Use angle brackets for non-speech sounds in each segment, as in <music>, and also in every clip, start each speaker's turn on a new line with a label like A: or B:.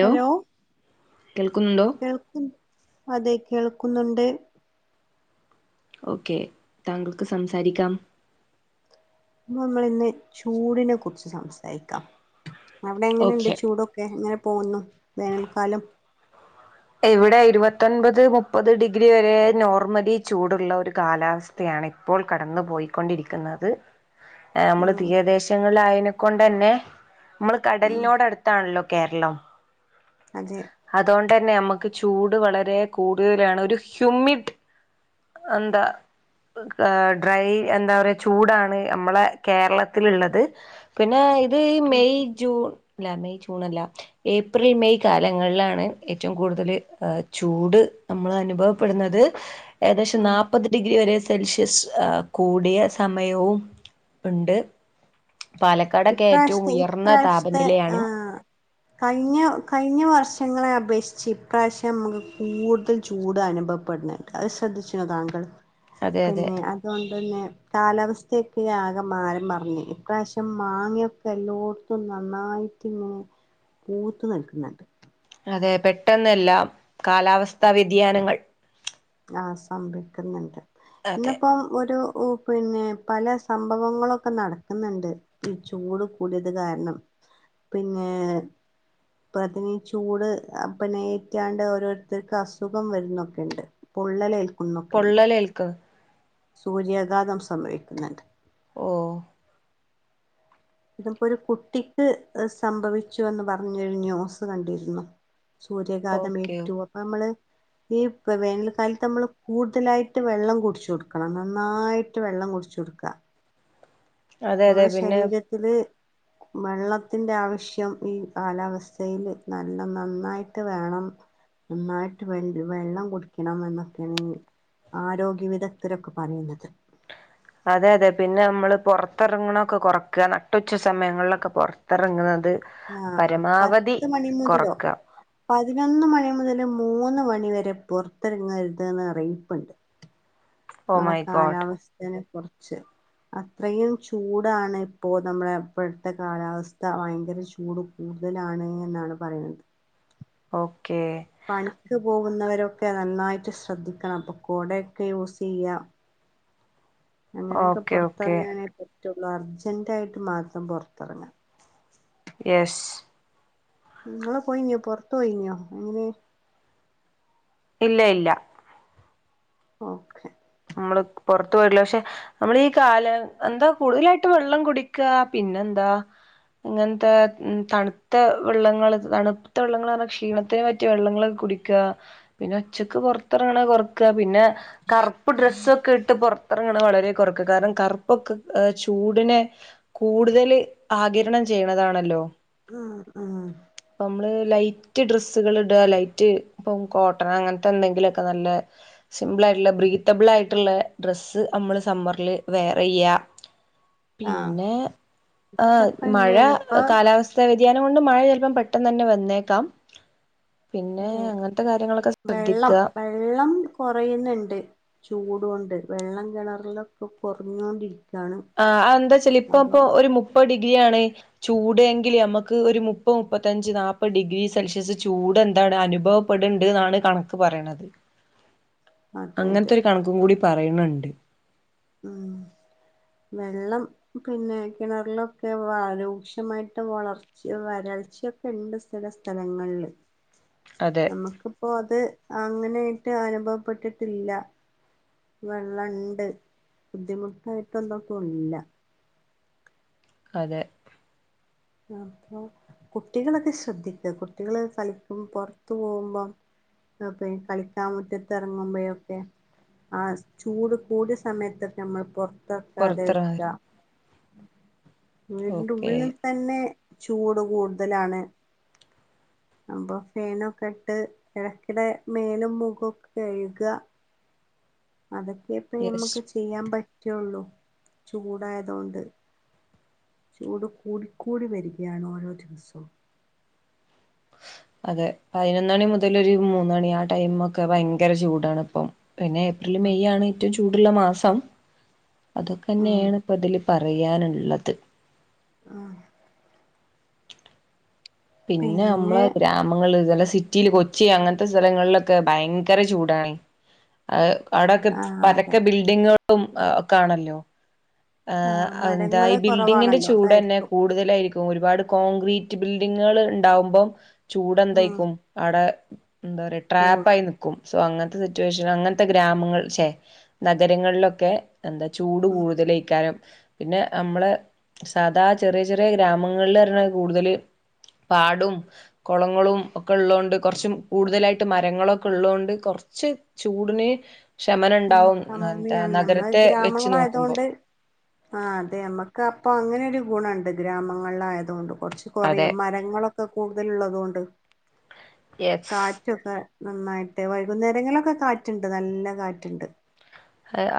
A: Hello
B: കേൾക്കുന്നുണ്ടോ
A: കേൾക്കു അതെ കേൾക്കുന്നുണ്ട്
B: ഓക്കെ താങ്കൾക്ക് സംസാരിക്കാം
A: നമ്മള്ന്ന് ചൂടിനെ കുറിച്ച് സംസാരിക്കാം അവടെ എങ്ങനെയുണ്ട്
B: ഓക്കെ
A: ചൂട് ക്കെ അങ്ങനെ പോകുന്നു വേനൽക്കാലം
B: ഇവിടെ ഇരുപത്തെപ്പത് മുപ്പത് ഡിഗ്രി വരെ നോർമലി ചൂടുള്ള ഒരു കാലാവസ് സ്ഥയാണ് ഇപ്പോൾ കടന്നു പോയിക്കൊണ്ടിരിക്കുന്നത് നമ്മള്
A: ഉം
B: തീരദേശങ്ങളിൽ ആയേനു കൊണ്ടന്നെ നമ്മള്
A: ഉം
B: കടലിനോട് അടുത്താണല്ലോ കേരളം
A: അതെ
B: അതേണ്ടന്നെ നമക്ക് ചൂട് വളരെ കൂടുതലാണ് ഒരു ഹ്യുമിഡ് അന്ത ഏഹ ഡ്രൈ എന്താ പറയാ ചൂടാണ് നമ്മളെ കേരളത്തിള്ളത് പിന്നെ ഇത്
A: ഉം
B: മെയ് ജൂൺ ല്ല മെയ് ജൂൺ അല്ല ഏപ്രിൽ മെയ് കാലങ്ങൾലാണ് ഏറ്റവും കൂടുതൽ ചൂട് നമ്മള് അനുഭവപ്പെടുന്നത് ഏകദേശം
A: ഉം
B: നാ മുപ്പത് ഡിഗ്രി വരെ സെൽഷ്യസ് കൂടിയ സമയവും ഇണ്ട് പാലക്കാടൊക്കെ ഏറ്റവും
A: ഇപ്രാവശ്യത്തെ
B: ഉയർന്ന
A: ഇപ്രാവശ്യത്തെ
B: താപനിലയാണ്
A: ആഹ് കഴിഞ്ഞ കഴിഞ്ഞ വർഷങ്ങളെ അപേക്ഷിച്ച് ഇപ്രാവശ്യം നമക്ക് കൂടുതൽ ചൂട് അനുഭവ പണേ അത് ശ്രദ്ധിച്ച്ണേ താങ്കൾ
B: അതെ അതെ
A: പിന്നെ അതേണ്ടന്നെ കാലാവസ്ഥക്കെ ആകെ മാറി മറിഞ്ഞ് ഇപ്രാശ്യ മാങ്ങക്കെ എല്ലോട്ത്തും നന്നായിട്ട്ങ്ങനെ പൂത്ത് നിൽകാണാണ്ട്
B: അതെ പെട്ടെന്നെല്ലാം കാലാവസ്ഥാ വ്യതിയാനങ്ങൾ
A: ആഹ് സംഭവിക്ക്ന്ന്ണ്ട്
B: അതെ
A: ഇന്ന്പ്പം ഒരു ഉ പിന്നെ പല സംഭവങ്ങളൊക്കെ നടക്കുന്നുണ്ട് ഈ ചൂട് കൂടിയത് കാരണം പിന്നേ. അപ്പ അതീ ചൂട് അഭിനയിക്കാണ്ട് ഓരോര്ത്തര്ക്ക് അസുഖം വരുന്നൊക്കെണ്ട് പൊള്ളലേൽ
B: പൊള്ളലേൽക്ക്.
A: സൂര്യാഘാതം സംഭവിക്കുന്ന്ണ്ട്
B: ഓഹ്
A: ഇതിപ്പോ ഒരു കുട്ടിക്ക് സംഭവിച്ചു എന്ന് പറഞ്ഞൊരു ന്യൂസ് കണ്ടിരുന്നു
B: ഓക്കെ ഓ
A: സൂര്യാഘാതമേറ്റു അപ്പൊ അമ്മള് ഈ വേനൽക്കാലത്ത് നമ്മള് കൂടുതലായിട്ട് വെള്ളം കുടിച്ചു കൊടുക്കണം നന്നായി റ്റ് വെള്ളം കുടിച്ച് കൊടുക്ക.
B: അതെ അതെ
A: നമ്മളെ
B: പിന്നെ
A: ശരീരത്തില് വെള്ളത്തിന്റെ ആവശ്യം ഈ കാലാവസ്ഥയില് നല്ല നന്നായിട്ട് വേണം. നന്നായിട്ട് വെ വെള്ളം കുടിയ്ക്കണം എന്നൊക്കേണ് ആരോഗ്യ വിദഗ്ദ്ധരൊക്കെ പറയിണത്
B: അതെ അതെ പിന്നെ നമ്മള് പൊറത്തെറങ്ങുണൊക്കെ കൊറക്കാ നട്ടുച്ച സമയങ്ങളിലൊക്കെ പൊറത്തെറങ്ങ്ണത്.
A: ആഹ് ആഹ് പത്ത് മണി മുതലോ
B: കൊറക്കുക
A: പതിനൊന്ന് മണി മുതൽ മൂന്ന് മണി വരെ പൊറത്തെറങ്ങരുത് ന്ന് അറീയിപ്പ്ണ്ട്.
B: ഓ
A: നമ്മളെ
B: മൈ ഗോഡ്
A: കാലാവസ്ഥനെ കുർച്ച് അത്രയും ചൂടാണ് ഇപ്പോ നമ്മടെ ഇപ്പഴത്തെ കാലാവസ്ഥ ഭയങ്കര ചൂടും കൂടുതലാണ് എന്നാണ് പറയുന്നത്
B: ഓക്കേ.
A: പണിക്ക് പോകുന്നവരൊക്കെ നന്നായിട്ട് ശ്രദ്ധിക്കണം അപ്പൊ കൊടയൊക്കെ യൂസെയ്യാ. അങ്ങനെയൊക്കെ
B: ഓക്കേ ഓക്കേ
A: പൊർത്തർങ്ങാനേ പറ്റൊള്ളൂ അർജന്റ് ആയിട്ട് മാത്രം പൊർത്തർങ്ങാ
B: യെഷ്
A: ഇങ്ങള് പോയിഞ്ഞൊ പൊർത്ത് പോയിഞ്ഞോ എങ്ങനെ.
B: ഇല്ല ഇല്ല
A: ഓക്കെ.
B: നമ്മള് പൊറത്ത് പോയില്ല പക്ഷെ നമ്മൾ ഈ കാലം എന്താ കൂടുതലായിട്ട് വെള്ളം കുടിക്ക പിന്നെന്താ ഇങ്ങൻത്തെ ഹ് തണ്ത്തെ വെള്ളങ്ങള് അങ്ങനത്തെ ഉം തണുത്ത വെള്ളങ്ങൾ തണുത്ത വെള്ളങ്ങളറഞ്ഞാ ക്ഷീണത്തിന് പറ്റിയ വെള്ളങ്ങളൊക്കെ കുടി ഇക്ക പിന്നെ ഉച്ചക്ക് പൊറത്തെറങ്ങണെ കൊറക്കുകാ പിന്നെ കർ ഇപ്പം ഡ്രസ്സൊക്കെ ഇട്ട് പൊർത്തറങ്ങണെ വളരെ കൊറക്കാ കാരണം കറുപ്പൊക്കെ ചൂടിനെ കൂടുതല് ആഗിരണം ചെയ്യണതാണല്ലോ
A: ആഹ് ആഹ്
B: നമ്മള് ലൈറ്റ് ഡ്രസ്സുകളിടാ ലൈറ്റ് ഇപ്പം കോട്ടന് അങ്ങൻത്തെ എന്തെങ്കിലൊക്കെ നല്ല സിമ്പിളായിട്ടുള്ള ബ്രീ ട്ടബിൾ ആയിട്ട്ള്ള ഡ്രസ്സ് നമ്മള് സമ്മർല് വെയറെയ്യാ
A: ആഹ്
B: പിന്നെ ആ്ഹ് മഴ
A: ഇതൊക്കെപ്പന്നെയാണ് ഇപ്പൊ
B: കാലാവസ് ത്ത വ്യതിയാനം കൊണ്ട് മഴ ചെൽപ്പം പെട്ടെന്ന് തന്നെ വന്നേക്കാം പിന്നെ
A: അതെ
B: അങ്ങൻത്തെ കാര്യങ്ങളൊക്കെ
A: വെള്ളം
B: ശ്രദ്ധിക്കാ
A: വെള്ളം കൊറയ്ന്നുണ്ട് ചൂടോണ്ട് വെള്ളം കെണർലൊക്കെ കാെർഞ്ഞോണ്ടിരിക്ക്
B: ആഹ് അഅ് എന്താ വെച്ചാല് ഇപ്പ ഇപ്പൊ ഒരു മുപ്പഅ് ഡിഗ്രി ആണ് ചൂട് എങ്കിൽ നമക്ക് ഒരു മുപ്പഅ് മുപ്പത്തഞ്ച് നാപ്പ ഡിഗ്രി സെൽഷ്യസ് ചൂട് എന്താണ് അനുഭവം പെട്ണ്ട്ന്നാണ് കണക്ക് പറയിണത്
A: അതെ അതെ
B: അങ്ങൻത്തെഒരു കണക്കും കൂടി പറയ്ണ് ണ്ട്
A: ആഹ് വെള്ളം പിന്നെ കിണറിലൊക്കെ വ രൂക്ഷമായിട്ട് വളർ വരൾച്ചയൊക്കെ ഉണ്ട് ചില സ്ഥലങ്ങളിൽ
B: അതെ
A: നമുക്കിപ്പോ അത് അങ്ങനെയായിട്ട് അനുഭവപ്പെട്ടിട്ടില്ല വെള്ളംണ്ട് ബുദ്ധിമുട്ടായിട്ടൊന്നൊക്കും ഇല്ല
B: അതെ
A: അപ്പൊ കുട്ടികളൊക്കെ ശ്രദ്ധിക്കുക കുട്ടികള് കളിക്കും പുറത്തു പോകുമ്പം അപ്പെ കളിക്കാൻ മുറ്റത്ത് ഇറങ്ങുമ്പോഴ ഒക്കെ ആഹ ചൂട് കൂടിയ സമയത്തൊക്കെ നമ്മൾ പുറത്തക്കാതെ എറക്കാതെ
B: പുറത്തിറങ്ങ
A: വെക്ക വീടിന്റെ
B: ഓക്കെ
A: ഉള്ളിൽ തന്നെ ചൂട് കൂടുതലാണ് അപ ഫേനൊക്കെ ഇട്ട് ഇഴക്കിടെ മേലും മുഖൊക്കെ കഴുക അതൊക്കെ ഇപ്പ
B: യെസ്
A: നമ്മുക്ക് ചെയ്യാൻ പറ്റുള്ളൂ ചൂടായത കൊണ്ട് ചൂട് കൂടിക്കൂടി വരികയാണ് ഓരോ ദിവസവും
B: അതെ പതിനൊന്ന മണി മുതല ഒരു മൂന്നണി ആ ടൈമ ഒക്കെ ഭയങ്കര ചൂടാാണ്പ്പം പിന്നെ ഏപ്രില് മെയ് ആണ് ഏറ്റവും ചൂടുള്ള മാസം അതൊക്കെ
A: ആ
B: തന്നെയാണ് ഇപ്പതില് പറയാനുള്ളത്
A: ആഹ്
B: പിന്നെ നമ്മള് ഗ്ര നമ്മൾ ചില സിറ്റിൽ കൊച്ചി അങ്ങനത്തെ സ്ഥലങ്ങളിലൊക്കെ ഭയങ്കര ചൂടാണ് അത്‌ അവിടെൊക്കെ
A: ആഹ് അതെ
B: പരക്കെ ബിൽഡിങ്ങുകളും ഒക്കെ ആണല്ലോ ആഹ് എന്താ ഈ
A: മരങ്ങള്
B: ബിൽഡിങ്ങിന്റെ
A: കുറവാണല്ലോ
B: ചൂട്ന്നെ
A: അതായിരിക്കും
B: കൂടുതലായിരിക്കും ഒരുപാട് കോൺക്രീറ്റ് ബിൽഡിങ്ങുകൾ ഉണ്ടാവുമ്പോം ചൂട്
A: ഉം
B: എന്തായിക്കും അവിടെ എന്താ പറയാ
A: കൂടും
B: ട്രാപ്പായി നി ക്കും സോ അങ്ങനത്തെ സിറ്റുവേഷൻ അങ്ങനത്തെ ഗ്രാമങ്ങൾ ക്ഷെ നഗരങ്ങളിലൊക്കെ എന്താ ചൂട്
A: ഉം
B: കൂടുതലായി കാരം, പിന്നെ നമ്മള സാദാ ചെറിയ ചെറിയ ഗ്രാമങ്ങളിൽ പറഞ്ഞ കൂടുതല് പാടും കുളങ്ങളും ഒക്കെ ഉള്ളത് കൊണ്ട് കുറച്ചും കൂടുതലായിട്ട് മരങ്ങളൊക്കെ ഉള്ളതുകൊണ്ട് കുറച്ച് ചൂടിന്
A: ഉം
B: ശമനംണ്ടാവും എന്താ
A: കമ്മിയാണ് ഞമ്മള്
B: നഗരത്തെ വെച്ച് നോക്കുമ്പോ
A: ഗ്രാമങ്ങളായതുകൊണ്ട് ആഹ് അതെ നമ്മക്ക് അപ്പൊ അങ്ങനെരു ഗുണുണ്ട് ഗ്രാമങ്ങളിലയത കൊണ്ട് കുറച്ച്
B: അതെ
A: കുറയും മരങ്ങളൊക്കെ കൂടുതലള്ളതുക കൊണ്ട്
B: യെസ്
A: കാ കാറ്റൊക്കെ നന്നായിട്ട് വൈകുന്നേരങ്ങളിലൊക്കെ കാറ്റുണ്ട് നല്ല കാറ്റുണ്ട്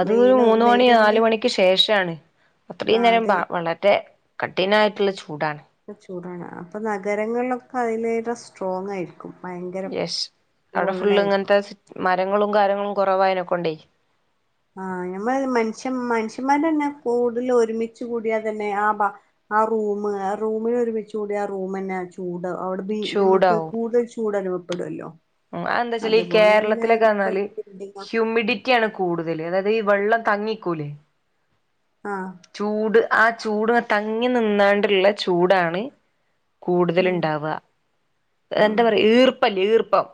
B: അത ഒരു
A: വെയിലൊ
B: മൂന്ന മണി നാല
A: വെയിലൊന്ന്
B: മണിക്ക് ശേഷമാണ് അത്രയും
A: ആഹ്
B: നേരം
A: അതെ
B: വ വളരെ കഠിനായിട്ടുള്ള ചൂടാണ്
A: ചൂടാണ് അപ്പൊ നഗരങ്ങളിലൊക്കെ അതിലടെ സ്ട്രോങ് ആയിരിക്കും ഉപ്പ എൻ്
B: യെശ് അവിടെ ഫുള്ള് ഇങ്ങനത്തെ മരങ്ങളും കാര്യങ്ങളും കുറവായതിനൊക്കൊണ്ടേ
A: ആഹ് ഞമ്മൾ മനുഷ്യ മനുഷ്യന്മാർന്നെ കൂടുതല ഒരുമിിച്ചച്ച് കൂടിയാ തന്നെ ആ ബ ആ റൂമ് ആഹ് റൂമിൽ ഒരുമിച്ച് കൂടി ആഹ് റൂം തന്നാ വ ഉണ്ട്, അതോണ്ട് നമ്മക്
B: ചൂടാവും
A: കൂടുതൽ ചൂട് അനുഭവപ്പെടുല്ലോ
B: അത്‌ എന്താ വച്ചാല് ഈ കേരളത്തിലൊക്കെ വന്നാല്
A: ഒരു ബിൽഡിംഗ്
B: ഹ്യൂിമി ഡി റ്റിയാണ് കൂടുതൽ, അതായത് ഈ വെള്ളം തങ്ങിക്കൂലേ
A: ആഹ്
B: ചൂട് ആഹ് ചൂട് തങ്ങി നിന്നാണ്ടുള്ള ചൂടാണ് കൂടുതൽ
A: ആഹ്
B: ഉണ്ടാവ, എന്താ
A: ആഹ്
B: പറയ ഈർപ്പല്ല ഈർപ്പം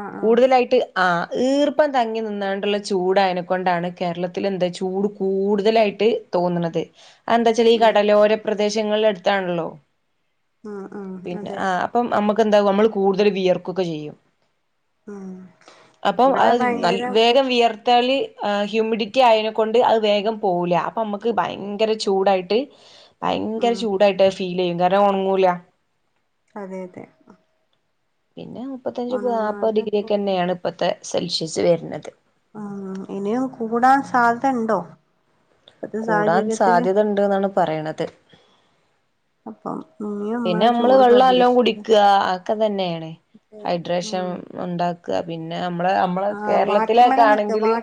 A: ആഹ് ആഹ്
B: കൂടുതലായിട്ട് ആഹ് ഈർപ്പം തങ്ങി നിന്നാണ്ടുള്ള ചൂടായെക്കൊണ്ടാണ് കേരളത്തിൽ എന്താ ചൂട് കൂടുതലായിട്ട് തോന്നുണത് അത്‌ എന്താ വച്ചാൽ ഈ
A: ഉം
B: കടല ഓരോ പ്രദേശങ്ങളിൽ അടുത്താണല്ലോ,
A: ഉം ഉം
B: പിന്നെ
A: അതെ
B: ആഹ് അപ്പം നമുെന്താവും, നമ്മൾ കൂടുതൽ വിയർക്കൊക്കെ ചെയ്യും
A: ഊം
B: അപ്പൊ അത് നൽ വേഗം വിയർ താൽ, ഹ്യൂമിഡിറ്റി ആയിനെക്കൊണ്ട് അത് വേഗം പോവൂല്ല അപ്പം നമ്മക്ക് ഭയങ്കര ചൂടായിട്ട് ഭയങ്കര
A: ഉം
B: ചൂടായിട്ടത് ഫീലെയ്യും കാരണം ഒണങ്ങൂല
A: അതെ അതെ
B: പിന്നെ മുപ്പത്തഞ്ച് നാപ്പത്
A: ഉണങ്ങാതെ കൂടെ
B: ഡിഗ്രിയൊക്കെന്നെയാണ് ഇപ്പത്തെ സെൽഷ്യസ് വരുന്നത്
A: ഊം ഇനിയും കൂടാൻ സാധ്യത ഇണ്ടോ
B: കൂടാൻ സാധ്യത ഉണ്ട് എന്നാണ് പറയണത്
A: അപ്പം ഇനിയും നമ്മള്
B: പിന്നെമ്മള്
A: ചൂട്
B: വെള്ളം എല്ലാം
A: പ്രതീക്ഷിക്ക
B: കുടിക്കുക അകക്കെ തന്നേണ്
A: ഉം ഊം
B: ഒണ്ടാക്ക പിന്നെ നമ്മള് നമ്മള് കേരളത്തിലെക്കെ
A: വാട്ടർമെലനൊക്കെ
B: ആണെങ്കില്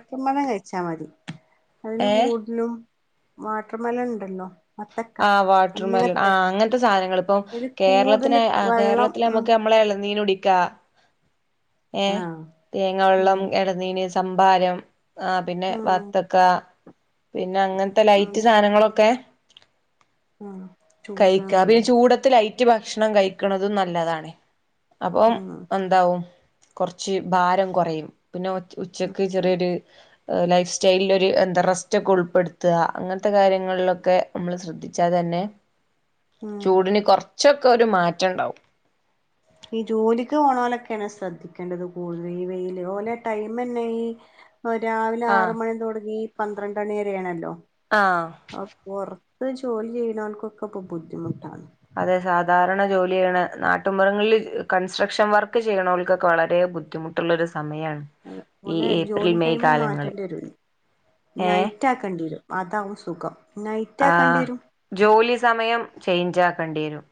A: അയ്ന്
B: ഏഹ്
A: മൂട്ടിലും വാട്ടർ മെലൻ ഇണ്ടല്ലോ
B: ആഹ് വാട്ടർ മെലൻ ആഹ് അങ്ങനത്തെ സാനങ്ങളിപ്പോ
A: ഒരു കൂടുതല്
B: കേരളത്തിന് ആഹ്
A: വെള്ളം
B: കേരളത്തില്
A: ഉം
B: മ്മക്ക് നമ്മളെ ഇളനീര് കുടിക്കാ ഏഹ്
A: ആഹ്
B: തേങ്ങാ
A: ഉം
B: വെള്ളം എളനീര് സം ഭാരം ആഹ് പിന്നെ
A: ഉം
B: വർത്തക്ക പിന്ന ങ്ങനത്തെ
A: ഉം
B: ലൈറ്റ് സാനങ്ങളൊക്കെ
A: അഹ്
B: കഴിക്കാ ചൂടത്ത് ലൈറ്റ് ഭക്ഷണം കഴിക്കണതും നല്ലതാണ് അപ്പം
A: ഉം
B: അ
A: ഉം
B: ഇതാവും കൊറച്ച് ഭാരം കൊറയും പിന്ന ഉച്ച ഉച്ചക്ക്
A: ഉം
B: ചെറിയൊരു ഏഹ് ലൈഫ് സ്റ്റൈലിലൊര് എന്താ റെസ്റ്റെക്ക ഉൾപ്പെടുത്ത അങ്ങനത്തെ കാര്യങ്ങളിലൊക്കെ നമ്മള് ശ്രദ്ധിച്ചാ തന്നെ
A: ഉം
B: ചൂടിന് കൊറച്ചൊക്കെ ഒരു മാറ്റൊണ്ടാവും
A: ഈ ജോലിക്ക് പോണലൊക്കെയാണ് ശ്രദ്ധിക്കേണ്ടത് കൂടുതലും ഈ വെയില് പോലെ ടൈമന്നെ ഈ ഇപ്പോ രാവിലെ ആറ്
B: ആഹ്
A: മണി തൊടങ്ങി ഈ പന്ത്രണ്ടണി വരെണല്ലോ
B: ആഹ്
A: ആ പൊറത്ത് ജോലി ചെയ്യണാ ൾക്കൊക്കെ ക്ക ബുദ്ധിമുട്ടാണ്
B: അതെ സാധാരണ ജോലി ചെയ്യണ നാട്ടുമ്പൊറങ്ങളില് കൺസ്ട്രക്ഷൻ വർക്ക് ചെയ്യണൾക്കൊക്കെ വളരെ ബുദ്ധിമുട്ട് ട്ടൊള്ളൊരു സമയാണ്
A: മേനേ ജോലി ടൈമ് മാറ്റണ്ടി വരും നൈ
B: ഏഹ്
A: റ്റാക്കണ്ടി വരും അതാവും സുഖം നൈറ്റ് ആക്കണ്ടി
B: ആഹ്
A: വരും
B: ജോലി സമയം ചെയ്ഞ്ച് ആക്കണ്ടി വരും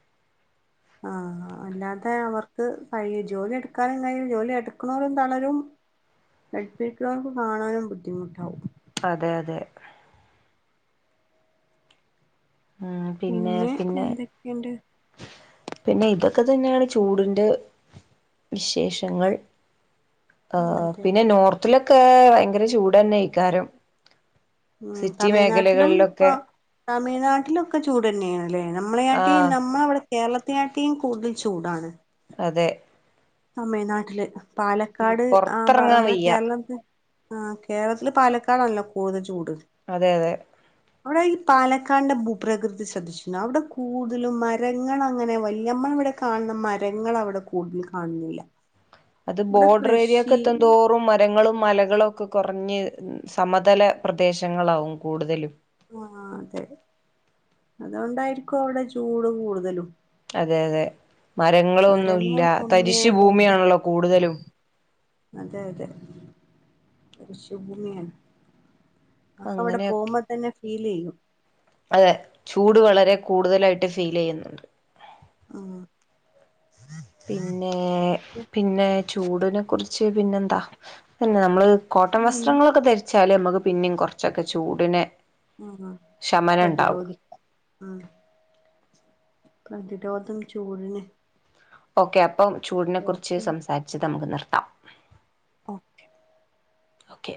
A: ആഹ് ആഹ് അല്ലാതെ അവർക്ക് കഴി ജോലി എടുക്കാനും കഴിയും ജോലി എടുക്കണോരും തളരും <unintelligible> കാണാനും ബുദ്ധിമുട്ടാാവും
B: അതെ അതെ ഉം പിന്നെ പിന്നെ പിന്നെ ഇതൊക്കെ തന്നെയാണ് ചൂടിന്റെ വിശേഷങ്ങൾ ആഹ്
A: അതെ
B: പിന്നെ നോർത്തിലൊക്കെ ഭയങ്കര ചൂടന്നെ ഇക്കാരം
A: ഉം
B: സിറ്റി
A: തമിഴ്നാട്ടിലും ഇപ്പൊ
B: മേഖലകളിലൊക്കെ
A: തമിഴ്നാട്ടിലൊക്കെ ചൂട് തന്നെയാണ്ല്ലേ നമ്മളെ കാട്ടി
B: ആഹ്
A: നമ്മളവിടെ കേരളത്തിനെ കാട്ടീം കൂടുതൽ ചൂടാണ്
B: അതെ
A: തമിഴ്നാട്ടില്
B: ഉം
A: പാലക്കാട് ആ ഭാഗ
B: പൊറത്തിറങ്ങാൻ
A: നമ്മടെ
B: വയ്യ
A: കേരളംക് ആഹ് കേരളത്തില് പാലക്കാടണല്ലോ കൂടുതൽ ചൂട്
B: അതെ അതെ
A: അവിടെ ഈ പാലക്കാന്റെ ഭൂപ്രകൃതി ശ്രദ്ധിച്ചിട്ടുണ്ടോ അവിടെ കൂടുതലും മരങ്ങളങ്ങനെ വല്യമ്മ ഇവിടെ കാണുന്ന മരങ്ങളവിടെ കൂടുതൽ കാണുന്നില്ല
B: അത്
A: ഇവിടെ
B: ബോർഡർ
A: കൃഷി
B: ഏരിയക്കത്തെന്തോ ഉം മരങ്ങളും മലകളും ഒക്കെ കൊറഞ്ഞ് സമതല പ്രദേശങ്ങളാവും കൂടുതലും
A: ആ അതെ അതുകൊണ്ടായിരിക്കും അവിടെ ചൂട് കൂടുതലും
B: അതെ അതെ മരങ്ങളൊന്നുല്ല
A: മരങ്ങൾ
B: തരിശു
A: കമ്മിയായതുകൊണ്ട്
B: ഭൂമിയാണല്ലോ കൂടുതലും
A: അതെ അതെ ഒരുശഭൂമിയാണ് നമുക്കവിടെ
B: അങ്ങനെയൊക്കെ
A: പോകുമ്പോ തന്നെ ഫീൽ ചെയ്യും
B: അതെ ചൂട് വളരെ കൂടുതലായിട്ട് ഫീൽ ചെയ്യുന്നുണ്ട്
A: ആഹ്
B: പിന്നെ പിന്നെ ചൂടിനെ കുറി ച്ച് പിന്നെ എന്താ പിന്നെ നമ്മള് കോട്ടൺ വസ്ത്രങ്ങളൊക്കെ ധരി ച്ചാല് നമുക്ക് പിന്നെയും കുറച്ചൊക്കെ ചൂടിന്
A: ആഹ് ആഹ് പ്രതിരോധി ആഹ് പ്രതിരോധം ചൂടിന്
B: ഓക്കെ അപ്പം ചൂടിനെ കുറിച്ച് സംസാരിച്ചത് നമുക്ക് നിർത്താം
A: ഓക്കെ
B: ഓക്കെ